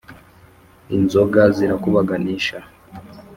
inzoga zirakubaganisha,